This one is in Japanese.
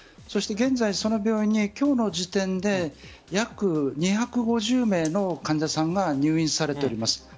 現在、その病院に今日の時点で約２５０名の患者さんが入院されています。